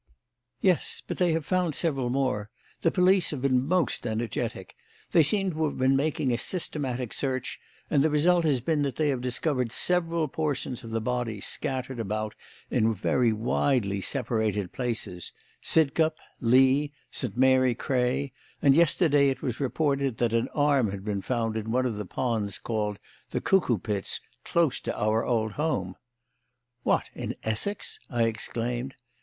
"Yes. But they have found several more. The police have been most energetic. They seem to have been making a systematic search, and the result has been that they have discovered several portions of the body, scattered about in very widely separated places Sidcup, Lee, St. Mary Cray; and yesterday it was reported that an arm had been found in one of the ponds called 'the Cuckoo Pits,' close to our old home." "What! in Essex?" I exclaimed.